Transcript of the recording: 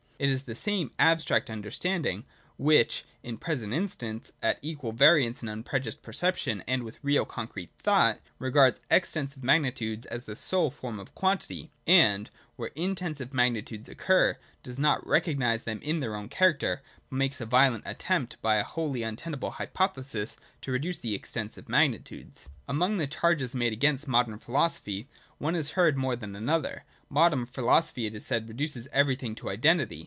It is the same VOL. II. O 194 THE DOCTRINE OF BEING. [103, 104. abstract understanding which, in the present instance, at equal variance with unprejudiced perception and with real concrete thought, regards Extensive magnitude as the sole form of quantity, and, where Intensive magnitudes occur, does not recognise them in their own character, but makes a vio lent attempt by a wholly untenable hypothesis to reduce them to Extensive magnitudes. Among the charges made against modern philosophy, one is heard more than another. Modern philosophy, it is said, reduces everything to identity.